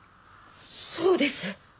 そうです！